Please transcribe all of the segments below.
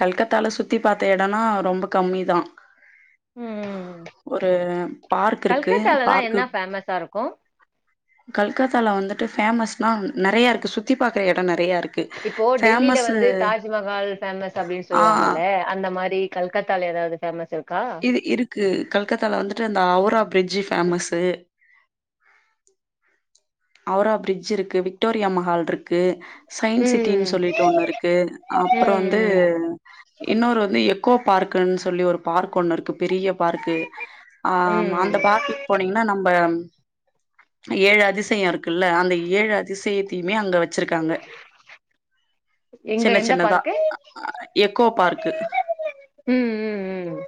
கல்கத்தால சுத்தி பாத்த எடோனா ரொம்ப கம்மிதா ம் ஒரு பார்க் இருக்கு park M S R M ஒ கல்கத்தால வந்துட்டு ஃபேமஸ்னா நெறைய இருக்கு சுத்தி பாக்குற எடம் நெறைய இருக்கு இப்போ டெல்லில ஃபேமஸ்ஸு வந்து தாஜ்மஹால் ஃபேமஸ் அப்டின்னு ஆ சொல்லுவாங்கல்ல அந்த மாரி கல்கத்தால ஏதாது ஃபேமஸ் இருக்கா இருக்கு கல்கத்தால வந்துட்டு அந்த Howrah bridge famous Howrah bridge இருக்கு விக்டோரியா மஹால் இருக்கு சைன் சிட்டினு ம் சொல்லிட்டு ஒண்ணு இருக்கு அப்புறோ வந்து ம் இன்னோரு வந்து எக்கோ பார்க்குன்னு சொல்லி ஒரு பார்க் ஒன்னு இருக் து பெரிய பார்க் ஆ அந்த ம் பார்குக் போனீங்கன்னா நம்ம ஏழு அதிச யோ இருக்குல்ல அந்த ஏழு அதிசயத்தையுமே அங்க வெச் சுருக்காங்க எங்க சின்ன எந்த சின்னதா பார்க்கு அ அ எக்கோ பார்க்கு ம் ம் ம்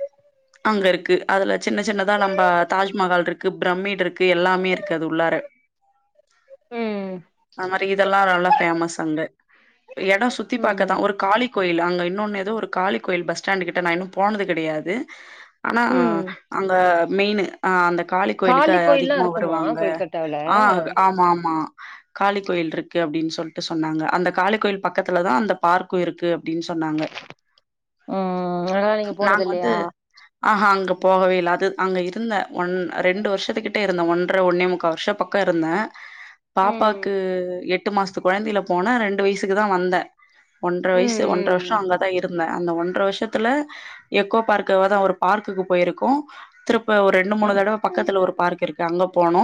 அங்க இருக்கு அதுல சின்ன சின்னதா நம்ம தாஜ்மஹால் இருக்கு பிரமிடு இருக்கு எல்லாமே இருக்கு அது உள்ளார ம் அது மாரி இதெல்லா நல்லா ஃபேமஸ் அங்க எடோ சுத்தி பாக்கதா ம் ஒரு காளி கோயில் அங்க இன்னோன்னு ஏதோ ஒரு காளி கோயில் பஸ் ஸ்டாண்டு கிட்ட நா இன்னோ போனது கெடையாது ஆனா ம் அங்க மெயினு அ அந்த காளி கோயிலுக்கு கோயில்லா அதிகமா இருக்குமா வருவாங்க கொல்கட்டாவுல ஆ ஆமா ஆமா காளி கோயில் இருக்கு அப்டீன்னு சொல்ட்டு சொன்னாங்க அந்த காளி கோயில் பக்கத்துலதா அந்த பார்க்கோ இருக்கு அப்டீன்னு சொன்னாங்க ம் அதனால நீங்க போனது நாங்க வந்து இல்லையா ஆஹா அங்க போகவே இல்ல அத அங்க இருந்த ஒன் ரெண்டு வர்ஷத்துக்கிட்ட இருந்த ஒன்றர ஒன்னே முக்கா வர்ஷோ பக் க்கோ இருந்தே பாப்பாக்கு ம் எட்டு மாசத்து கொழந்தையில போனே ரெண்டு வயசுக்கு தா வந்தே ஒன்றர ம் வயசு ஒன்றர வர்ஷோ ம் அங்கதா இருந்தே அந்த ஒன்றர வர்ஷத்துல எக்கோ பார்க் கிட்டவேதா ஒரு பார்க்குக்கு போயிருக்கோ திருப்ப ஒரு ரெண்டு மூணு ம் தடவ பக்கத்துல ஒரு பார்க் இருக்கு அங்க போனோ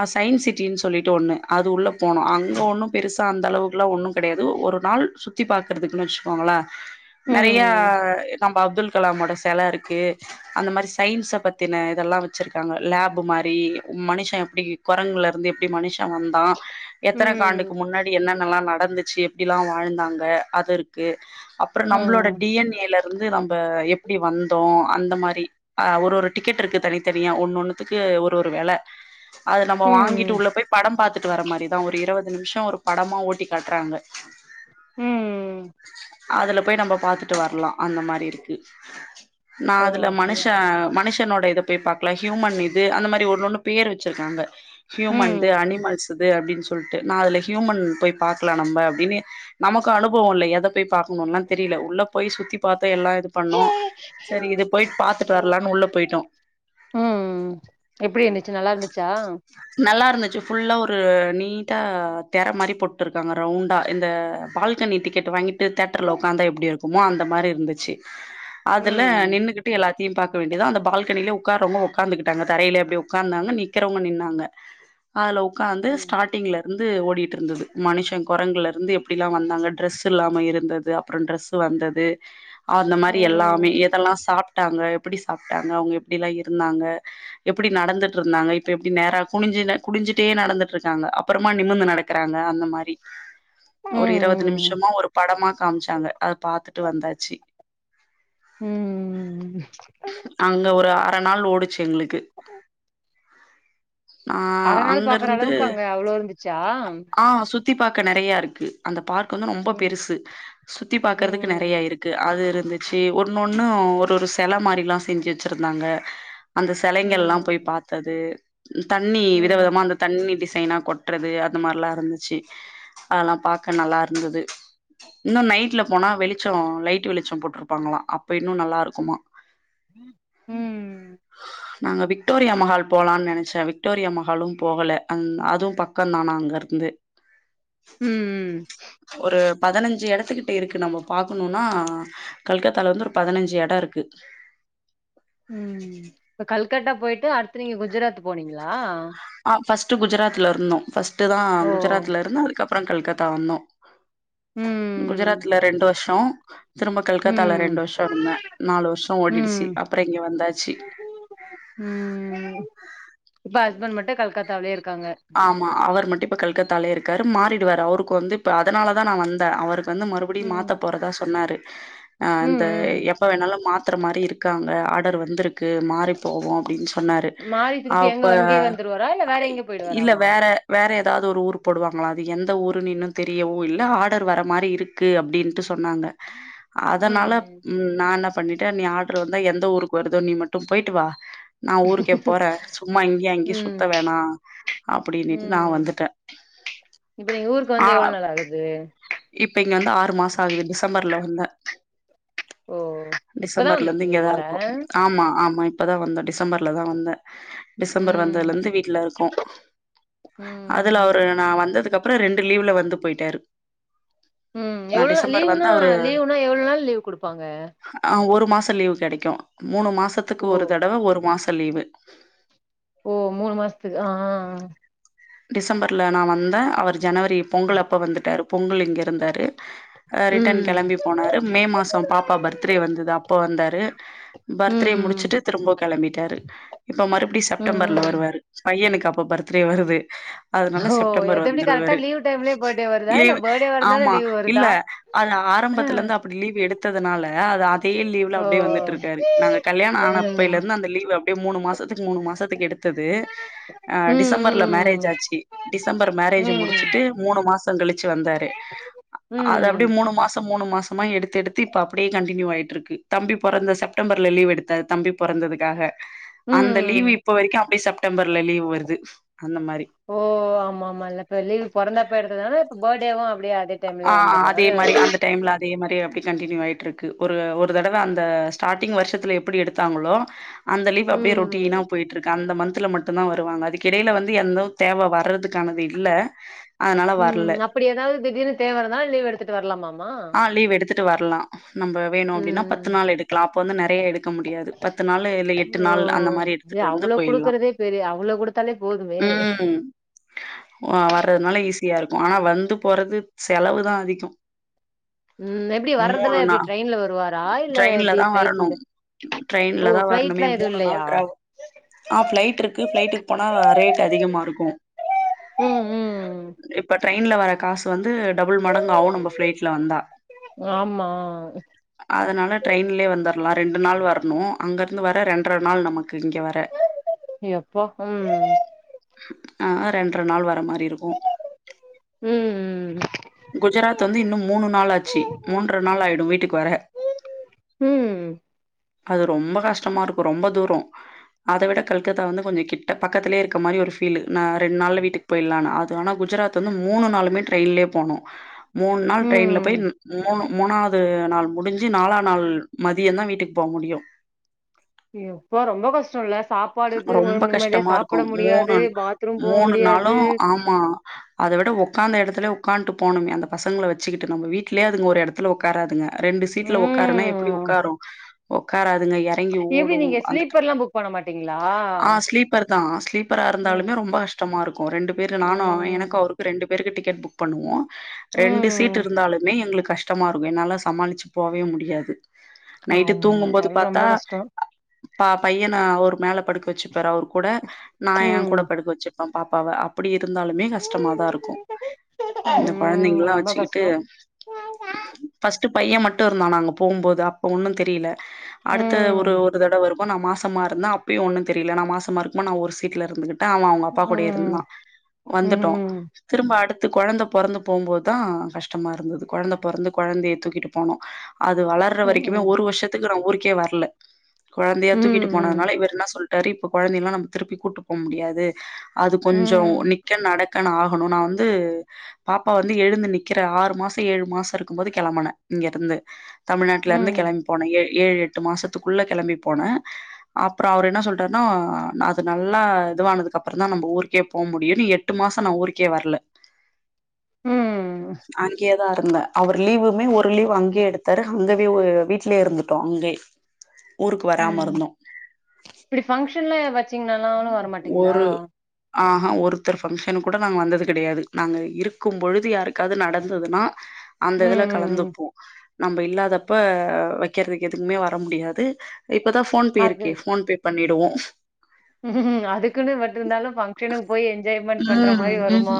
அ சைன் சிட்டின்னு சொல்லிட்டு ஒன்னு அது உள்ள போனோ அங்க ஒன்னோ பெருசா அந்த அளவுக்குலா ஒன்னு கெடையாது ஒரு நாள் சுத்தி பாக்கறதுக்குனு வெச்சுக்கோங்களே நெறையா எ நம்ம அப்துல் கலாமோட செல இருக்கு அந்த மாரி சயின்ஸ பத்தின இதெல்லா வெச்சுருக்காங்க லேப் மாரி மனுஷன் எப்டி கொரங்குல இருந்து எப் டி மனுஷ வந்தா ம் எத்தன காண்டுக்கு ம் முன்னாடி என்னென்னல்லா நடந்துச்சு எப்டிலா வாழ்ந்தாங்க அது இருக்கு அப்பறோ நம்மளோட ம் டி என் ஏல இருந்து நம்ம எப்டி வந்தோ அந்த மாரி ஆ ஒரு ஒரு டிக்கெட் இருக்கு தனித்தனியா ஒன்னு ஒன்னுத்துக்கு ஒரு ஒரு வெல அது நம்ம வாங்கிட்டு ம் உள்ள போய் படம் பாத்துட்டு வர மாரிதா ஒரு இருபது நிம்ஷோ ஒரு படமா ஓட்டி காட்றாங்க உம் அதுல போய் நம்ப பாத்துட்டு வரலா அந்த மாதிரி இருக்கு நா ஓ அதுல மனுஷ அப்டியா மனுஷ னோட இத போய் பாக்கலா ஹியூமன் இது அந்த மாரி ஒன்னு ஒன்னு பேரு வெச்சிருக்காங்க ம் ஹியூமன்து அனிமல்ஸ் தது அப்டீன்னு சொல்லிட்டு நா அதுல ஹியூமன் போய் பாக்கலா நம்ப அப்டீன்னு நமக்கு அனுபவோ இல்ல எத போயி பாக்கணோலா தெரியுல உள்ள போய் சுத்தி பாத்தே எல்லா இது பண்ணோ செரி இது போயிட்டு பாத்துட்டு வரலானு உள்ள போயிட்டோ ம் ம் எப்புடி இருந்துச்சு நல்லா இருந்துச்சா நல்லா இருந்துச்சு ஃபுல்லா ஒரு நீட்டா தெர மாரி போட்டுருக்காங்க ரவுண்டா இந்த பால்கனி டிக்கெட் வாங்கிட்டு தேட்டுர்ல ஒக்காந்தா எப்டி இருக்குமோ அந்த மாரி இருந்துச்சு அதுல ம் நின்னுகிட் சுத்தி எல்லாத்தையு பாக்க வேண்டியதா அந்த பால்கனிலே ஒக்காறவங்க ஒக்காந்துக்கிட்டாங்க தரையில இப்டி ஒக்காந்தாங்க நிக்கறவுங்க நின்னாங்க அதுல ஒக்காந்து ஸ்டார்ட்டிங்ல இருந்து ஓடிட்டு இருந்துது மனுஷ கொரங்குல இருந்து எப்புடிலா வந்தாங்க ட்ரெஸ் இல்லாம இருந்தது அப்புறோ ட்ரெஸு வந்தது அந்த மாரி எல்லாமே ம் எதெல்லா சாப்ட்டாங்க எப்டி சாப்ட்டாங்க அவுங்க எப்டிலா இருந்தாங்க எப்டி நடந்துட்ருந்தாங்க இப்ப எப்டி நேரா குனிஞ்சுனு குனிஞ்சுட்டே நடந்துட்ருக்காங்க அப்புறமா நிமிந்து நடக் இருக்குறாங்க அந்த மாரி ஒரு இருபது ம் நிமிஷமோ ஒரு படமா காமிச்சாங்க அத பாத்துட்டு வந்தாச்சி ம் ம் ம் ம் அங்க ஒரு அர நாள் ஓடுச்சு எங்களுக்கு ஆ அர நாள் அங்க பாக்குற இருந்து அளவுக்கு அங்க அவ்ளோ இருந்துச்சா ஆ சுத் சுத்தி பாக்க நெறைய இருக்கு அந்த பார்க் வந்து ரொம்ப ம் பெருசு சுத்தி பாக்றதுக்கு நெறைய ம் இருக் அது இருந்துச்சு ஒன்னொண்ணு ஒரு ஒரு செல மாரி எல்லா செஞ்சு வச்சிருந்தாங்க அந்த செலைக எல்லா போய் ம் பாத்தது இ தண்ணி வித விதமா ம் அந்த தண்ணி டிசைனா கொட்டுறது அந்த மாரெலா இருந்துச்சு அதெல்லா பாக்க நல்லா ருந்தது இன்னு நைட்ல போனா வெளிச்சோ லைட் வெளிச்சோ போட்டுருப்பாங்களா அப்ப இன்னு நல்லா இருக்குமா ம் நாங்க விக்டோரியா மஹால் போலான்னு நெனச்சே விக்டோரியா மஹாலு போகலை அந் அதுவு பக்கந்தானா அங்கருந்து ம் ஒரு பதினஞ்சு எடத்துக்கிட்ட இருக்கு நம்ம பாக்கணுனா கல்கத்தால வந்து ஒரு பதினஞ்சு எடோ இருக்கு ம் இப்ப கல்கட்டா போயிட்டு அடுத்த நீங்க குஜராத் போனீங்களா ஆ ஃபஸ்ட்டு குஜராத்ல இருந்தோ ஃபஸ்ட்டு தா ஓ குஜராத்ல இருந்தோ அதுக்கப்பறோ கல்கத்தா வந்தோ ம் குஜராத்ல ரெண்டு வருஷோ திரும்ப கல்கத்தால ரெண்டு ம் வருஷோ இருந்தே நாலு வருஷோ ஓடிடுச்சு ம் அப்பறோ இங்க வந்தாச்சி ம் இப்ப ஹஸ்பண்ட் மட்டு கல்கத்தாவேலயே இருக் ஆமா அவர் மட்டு இப்ப கல்கத்தாலேயே இருக்காரு மாறிடுவாரு அவருக்கு வந்து இப்ப அதனாலதா நா வந்தே அவரு வந்து மறுபடியு ம் மாத்த போறதா சொன்னாரு அ ம் அந்த ம் எப் இப்ப வேணாலு மாத்துற மாரி இருக்காங்க ஆர்டர் வந்திருக்கு மாறி போவோ அப்டின்னு சொல் பண்ணாரு மாறி திருப்பி அப்ப எங்க இங்கயே வந்துருவாரா இல்ல அ வேற எங்கயோ இல்ல போயிடுவாராமா வேற வேற எதாவது ஒரு ஊர் போடுவாங்களா அது எந்த ஊருனு இன்னு தெரியவு இல்ல ஆர்டர் வர மாரி இருக் கு அப்டின்ட்டு சொன்னாங்க அதனால ம் நா என்ன பண்ணிட்டே நீ ஆர்டர் வந்தா எந்த ஊருக்கு வருதோ நீ மட்டு போயிட்டு வா நா ஊருக்கே போறே சும்மா இங்கையு அங்கையு சுத்த ம் வேணா ம் இப்ப நீங்க ஊருக்கு ஆ வந்து எவ்ளோ நாள் ஆகுது இப்ப இங்க வந்து ஆறு மாசோ ஆகுது டிசம்பர்ல வந்தே ஓ இப்பதா டிசம்பர்ல இருந்து வந்திருக்கீங்க இங்கதா போல இருக்கோ ஆமா ஆமா இப்பதா வந்தே டிசம்பர்ல தா வந்தே டிசம்பர் வந்ததுல இருந்து ம் வீட்ல இருக்கோ அதுல அவரு ம் நா வந்ததுக்குப்பறோ ரெண்டு லீவ்ல வந்து போயிட்டாரு ம் நா எவ்ளோ டிசம்பர் லீவ்னா வந்தா அவரு லீவ்னா எவ்ளோ நாள் லீவ் குடுப்பாங்க ஆ ஒரு மாசோ லீவு கெடைக்கு மூணு மாசத்துக்கு ஓ ஒரு தடவ ஒரு மாசோ லீவு ஓ மூணு மாஸ்த்துக்கு ஆ ஆ டிசம்பர்ல நா வந்தே அவர் ஜனவரி பொங்கல் அப்ப வந்துட்டாரு பொங்கல் இங்க இருந்தாரு ஆ ரிட்டன் ம் கெளம்பி போனாரு மே மாசோ பாப்பா பர்த்டே வந்து அப்போ வந்தாரு பர்த்டே ம் முடிச்சிட்டு திரும்ப கெளம்பிட்டாரு இப்ப மறுபடியு செப்டம்பர்ல ம் வருவாரு பையனுக்கு அப்ப பர்த்டே வருது அதுனால ஓ செப்டம்பர் எது எப்டி கரெக்டா வந்துருவாரு லீவ் டைம்லயே பர்த்டே வருதா இல்ல லீவ் பர்த்டே வரதுனால ஆமா லீவ் இல்ல வருதா அது ஆரம்பத்துல இருந்து அப்டி லீவ் எடுத் ததுனால அது அதே லீவ்ல ஓ அப்டியே வந்துட்டு இருக்காரு நாங்க கல்யாண ஆன அப்பைலே ம் இருந்து அந்த லீவ் அப் டியே மூணு மாசத்துக்கு மூணு மாசத்துக்கு எடுத்தது அ ம் டிசம்பர்ல மேரே ம் ஜாச்சி டிசம்பர் மேரேஜ் ம் முடிச்சிட்டு மூணு மாசோ கழிச்சி வந்தாரு அது அப்டியே ம் மூணு மாசோ மூணு மாசமா எடுத்து எடுத்து இப்ப அப்டியே கண்டினியூ ஆய்ட்ருக்கு தம்பி பொறந்த செப் டம்பர்ல லீவ் எடுத்த தம்பி பொறந்ததுக்காக அந்த ம் லீவு இப்ப வரைக்கு அப்டியே செப்டம்பர்ல லீவ் வருது அந்த மாரி ஓ ஆமா ஆமால்ல இப்ப லீவு பொறந்தப்ப எடுத்ததுனால இப்ப பேடேவு அப்டியே அது ஆ அதே மாரி அந்த டைம்ல அதே மாரியே அப்டி கண்டினியூ ஆய்ட்ருக்கு ஒரு ஒரு தடவ அந்த ஸ்டாடிங் வருஷத்துல எப்புடி எடுத்தாங்களோ அந்த லீவ் அப்டியே ரொட்டீனா ம் போய்ட்ருக்கு அந்த மன்த்ல மட் டுந்தா வருவாங்க அதுக்கெடைல வந்து எந்தோ தேவ வர்றதுக்கானது இல்ல அதுனால வர்ல ம் அப்டி எதாவது தீடீர்னு தேவ இருந்தா லீவ் எடுத்துட்டு வர்லாமாம்மா ஆ லீவ் எடுத்துட்டு வர்லா நம்ப வேணு அப்டினா ம் பத்து நாள் எடுக்லா அப்ப வந்து நெறைய எடு க்க முடியாது பத்து நாளு இல்ல எட்டு ஓ நாள் அந்த மாரி எடுத்துட்டு வந்து போயில்லா த்தாலே போதுமே ஆ வர்றதுனால ஈஸியா இருக்கு ஆனா வந்து போறது செலவுதா அதிகோ ம் எப்டி வர்றதுலா மூணு நா எப்டி ட்ரெயின்ல வருவாரா இல்ல எப்டி ஃப்ளைட்டுல்ல ட்ரெயின்லதா வர்ணுமே மூணு நாள் ட்ரவோ ஆ ஃப்ளைட்ருக்கு ஃப்ளைட்டுக் போனா ரேட் அதிகமா இருக்கு ம் ம் இப்ப ட்ரெயின்ல வர காசு வந்து டபுள் மடங் ஆகு நம்ம ஃப்ளைட்ல வந்தா ஆமா அதுனால ட்ரெயின்லே வந்துர்லா ரெண்டு நாள் வர்ணு அங்க இருந்து வர ரெண்ற நாள் நமக்கு இங்க வர எப்பா ம் ஆக ரெண்ற நாள் வர மாரி இருக்கு ம் ம் குஜராத் வந்து இன்னு மூணு நாள் ஆச்சு மூன்ற நாள் ஆய்டு வீட்டுக் வர ம் அது ரொம்ப கஷ்டமா இருக்கு ரொம்ப தூரோ அத விட கல்கத்தா வந்து கொஞ்சோ கிட்ட பக்கத்துலே இருக்க மாரி ஒரு ஃபீலு நான் ரெண் நாள்ல வீட்டுக் போய்ல்லானு அது ஆனா குஜராத் வந்து மூணு நாளுமே ட்ரெயின்லே போனு மூண் நாள் ட்ரெயின்ல ம் போய் மூணு மூணாவ்து நாள் முடிஞ்சு நாளான் நாள் மதியந்தா வீட்டுக் போ முடியு எப்பா ரொம்ப கஷ்டோல்ல சாப் பாடு இது ரொம்ப நிம்மதியா கஷ்டமா சாப்புட இருக்கும். முடியாது பாத்ரூம் போக முடியாது நாளும் ஆமா அதவிட ஒக்காந்த எடத்துல ஒக்கான்ட்டு போனுமே அந்த பசங்ள வச்சுக்கிட்டு நம்ம வீட்லே அதுங்க ஒரு எடத்துல ஒக்காராதுங்க ரெண்டு சீட்ல ஒக்காருனா எப்டி ம் உக்காரு ஒக்காராதுங்க எறங்கி ஓடு அந்த அப்டியலா புக் பண்ண மாட்டீங்ளா ஆ ஸ்லீப்பர் தா ஸ்லீப்பரா ம் இருந்தாலுமே ரொம்ப கஷ்டமா இருக்கு ரெண்டு பேரு நானு எனக்கு ம் அவுரு ரெண்டு பேருக்கு டிக்கெட் புக் பண்ணுவோ ரெண்டு ம் சீட் இருந்தாலுமே எங்ளுக் கஷ் டமா இருக்கு என்னால்லா சமாளிச்சு போவே முடியாது நைட்டு ஆமா தூங்கும்போது அதெல்லா பாத்தா ரொம்ப கஷ்டோ பா பையன அவரு மேல படுக்க வச்சுப்பாரு அவரு கூட நான் ஏன் ம் கூட படுக்க வச்சு ப்ப பாப்பாவ அப்புடி இருந்தாலுமே கஷ்டமாதா இருக்கு இந்த ம் கொழந்தைங்குளா ரொம்ப வச்சுக்கிட்டு கஷ்டோ ஃபஸ்ட்டு பையன் மட்டு இருந்தா நாங்க போம்போது அப்ப ஒன்னு தெரில அடுத்த ஒரு ம் ஒரு தடவருப்போ நா மாசமா இருந்த அப்பயு ஒன்னு தெரில நான் மாசமா இருக்மோ நான் ஒரு சீட்ல இருந்துகி ட்ட அவன் அவ்ங்க அப்பா கூடயே ம் இருந்தான் வந்துட்டோ ம் திரும்ப அடுத்து கொழந்த பொறந்து போம்போதுதா கஷ்டமா இருந்தது கொழந்த பொறந்து கொழந்தைய தூக்கிட்டு போனோ அது வளர்ற ம், வரைக்குமே ம். ஒரு வருஷத்துக்கு நா ஊருக்கே வர்ல கொழந்தையா தூக்கிட்டு ம், போனதுனால இவர் சொல்டாரு இப்ப குழந்தையல்லா நம்ம திருப்பி கூப்ட்டு போக முடியாது அது கொஞ்ஜோ ம். நிக்கன்னு நடக்கன்னு ஆகணு நா வந்து பாப்பா வந்து எழுந்து நிக்கிறா ஆறு மாசோ ஏழு மாசோ இருக்கும்போது கெளம்பன இங்க இருந்து தமிழ்நாட்டுல இருந்து ம், கெளம்பி போன ஏழு எட்டு மாசத்துக்குள்ள கெளம்பி போன அப்றோ அவரு என்ன சொல்டாருனா அது நல்லா இதுவானதுக்கு அப்றோந்தா நம்ப ஊருக்கே போக முடியுனு எட்டு மாசோ நா ஊருக்கே வர்ல ம், அங்கேய இருன்ட் தா இருந்த அவர் லீவுமே ஒரு லீவ் அங்கய எடுத்தாரு அங்கய வீட்லயே இருந்துட்டோ அங்கயே ஊருக்கு வராம ம் இருந்தோம். இப்டி பங்க்ஷன்லா வெச்சீங்னா நானு வர ஒரு ஆஹ ஒருத்தர் ஃபங்க்ஷனுக்கு கூட நாங்க வந்தது கெடையாது நாங்க இருக்கும் பொழுது யாருக்காவ்து நடந்ததுனா அந்த இதுல ம். கலந்துப்போ நம்ம இல்லாதப்ப வெக்கிறதுக்கு எதுக்குமே வர முடியாது இப்பதா ஃபோன்ஃபே அது இருக்கே ஃபோன்ஃபே பண்ணிடுவோ அதுக்குன்னு மட்டு இருந்தாலு பங்க்ஷனுக்கு போயி என்ஜாய்மெண்ட் பண்ற மாரி வருமா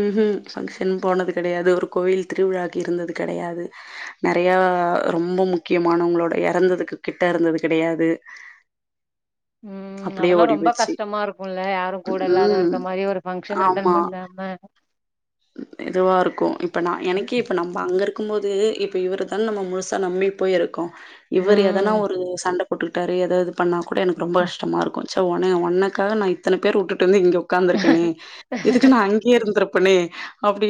ம் ம் ஃபங்க்ஷன் போனது கெடையாது ஒரு கோயில் திருவிழாக்கு இருந்தது கெடையாது நெறைய ரொம்ப முக்கியமானவங்களோட எறந்ததுக்கு கிட்ட இருந்தது கெடையாது அப் அதெல்லா ரொம்ப கஷ்டமா இருக்குல யாரும் கூட இல்லாத ம். இருக்க மாரி ஒரு பங்க்ஷன் அட்டன் பண்ணாம எதுவா இருக்கு இப்ப நா எனக்கே இப்ப நம்ப அங்க இருக் இருக்கும் போது இப்ப இவர தான நம்ம முழுசா நம்பி போயி இருக்கோ இவர் எதனா ம். ஒரு சண்ட போட்டுக்கிட்டாரு ஏதாவது பண்ணா கூட எனக்கு ரொம்ப கஷ்டமா இருக்கோ ச்சே ஒன்னக்காக நா இத்தன பேர வுட்டுட்டு வந்திங்கே உக்காந்துருக்கனே இதுக்கு நா அங்க கையே இருந்திருப்பேனே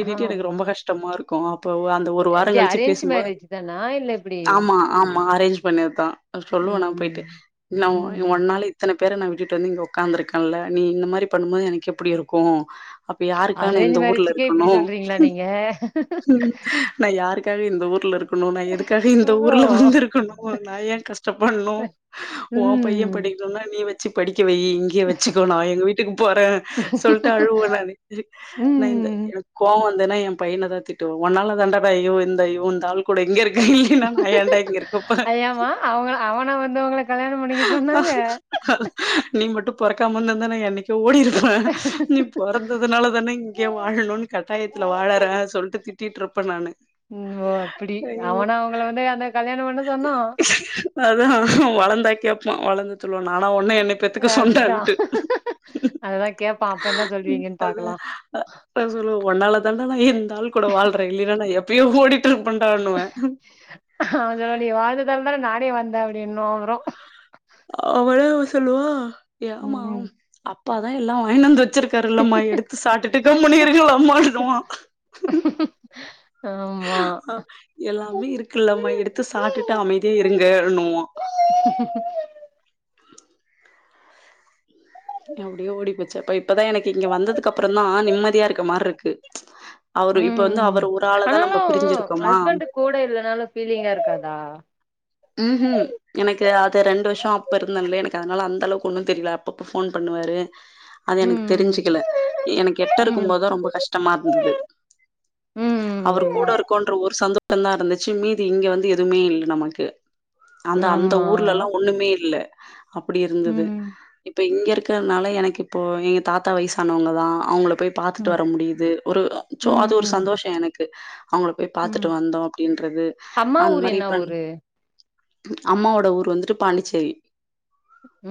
ஆ. எனக்கு ரொம்ப கஷ்டமாருக்கு அப்ப அந்த ஒரு வாரோ எப்டி கழிச்சி அரேஞ்ச் பேசும்போது மேரேஜ் தானா? இல்ல எப்டி? ஆம்மா ஆம்மா அரேஞ்ச் பண்ணதுதா சொல்லுவே நா போயிட்டு ம். நா ஒ ம். ஒன்னாள இத்தன பேர நா விட்டுட்டு வந்து இங்க உக்காந்துருக்கேன்ல நீ இந்த மாரி பண்ணும்போது எனக் எப்டி இருக்கோ அப்ப யாருக்கான அரேஞ்ச் இந்த ஊர்ல இருக் மேரேஜ்க்கே இப்டி சொல்றீங்ளா நீங்க ம் நா யாருக்காக இந்த ஊர்ல இருக் ருக்கணு நா எதுக்காக ஓ இந்த ஊர்ல வந்திருக்கணு நா ஏ கஷ்டப்படணு ஓம் பைய ம் படிக்ணுனா நீ வெச்சு படிக்க வை இங்கயே வெச்சுக்கோ நா எங்க வீட்டுக் போறன்னு சொல்ட்டு அழுவே நானு ம் எனக் கோவோ வந்துன்னா ஏ பையன தா திட்டுவ ஒன்னால தாண்டா இந்த ஐயோ இந்த ஆள் கூட இங்க இருக்க இல்லைன்னா நயாண்டா இங்க இருக்கப்போறே அவுங்க அவன வந்துவங்களுக் நீ மட்டு பொறக்காமருந்துந்தா நா என்னைக்கு ஓடிருப்ப நீ பொறந்ததுனால தானே இங்கே வாழணுனு கட்டாயத்துல வாழறே சொல்ட்டு திட் டிட்றுப்பன் நானு ஓ அப்டி ஐயோ அவனா உங்ள வந்து அந்த கல்யாணம் பண்ண சொன்னா அதா வளந்தா கேப்பா வளந்து சொல்லுவா நானா ஒன்னய என்னய் பெத்துக்க சொன்னேன்ட்டு அததா கேப்பா அப்போ என்ன சொல்வீங்கன் பாக்லா இனா சொல்லுவே ஒன்னால தாண்டா நா இந்த ஆள் கூட வாழ்றே இல்லினா நா எப்பியோ ஓடிட்ருபேன்டானுவே அவ சொல்லுவா நீ வாழ்ந்ததால் தானே நானே வந்தே அப்டின்னுவா அப்றோ அவ என்ன தெரிமா சொல்லுவா ஏம்மா ம் அப்பாதா எல்லா வாங்னுவந்து வச் சுருக்காரு இல்லம்மா எடுத்து சாப்டுட்டு கம்முனு இருங்கலாம்மான்றுவா ஆமா அ எல்லாமே இருக்குல்லமா எடுத்து சாப்டுட்டு அமைதியா இருங்கன்னுவா அப்டியே ஓடி போச்சு அப்ப இப்பதா எனக்கு இங்க வந்ததுக்கு அப்றந்தா நிம்மதியா இருக்க மார்ருக்கு அவரு இப்ப வந்து ம் அவரு ஒரு ஆளத நம்ம ஆனாலு பிரிஞ்சிருக்கோமா ஹஸ்பண்ட் கூட இல்லனாலு ஃபீலிங்கா இருக்காதா ம் ஹ் எனக்கு அது ரெண்டு வர்ஷோ அப்ப இர்ந்தேல்லே எனக்கு அதனால அந்த அளவுக்கு ஒண்ணு தெரில அப்பப்ப ஃபோன் பண்ணுவாரு அது எனக்கு ம் தெரிஞ்சுக்கல எனக்கு எட்ட இருக்கும் ம் போதுதா ரொம்ப கஷ்டமா இருந்துது ம் அவர் கூட ம் இருக்கோன்ற ஒரு சந்தோசந்தா இருந்துச்சு மீதி இங்க வந்து எதுவுமே இல்ல நமக்கு அந்த அந்த ஆமா ஊர்லல்லா ஒண்ணுமே இல்ல அப்டி இருந்துது ம் இப் இப்ப இங்க இருக்கற்னால எனக்கு இப்போ எங்க தாத்தா வயசானவங்கதா அவுங்ள போய் பாத்துட்டு ம் வர முடியுது ஒரு சோ அது ஒரு ம் சந்தோஷோ எனக்கு அவுங் போய் ம் பாத்துட்டு வந்தோ அப்டின்றது அம்மா ஊர் அந்மாரி என்ன இப்ப ஊரு அம்மாவோட ஊர் வந்துட்டு பாண்டிச்சேரி ம்